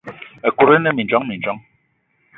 Ekut ine mindjong mindjong.